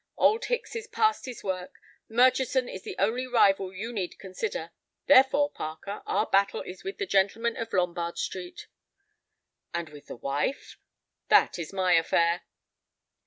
Old Hicks is past his work. Murchison is the only rival you need consider. Therefore, Parker, our battle is with the gentleman of Lombard Street." "And with the wife?" "That is my affair."